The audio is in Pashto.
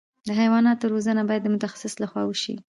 د حیواناتو روزنه باید د متخصص له خوا وشي.